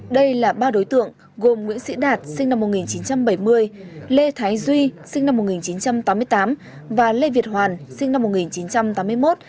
đây là ba đối tượng gồm nguyễn sĩ đạt sinh năm một nghìn chín trăm bảy mươi lê thái duy sinh năm một nghìn chín trăm tám mươi tám và lê việt hoàn sinh năm một nghìn chín trăm tám mươi một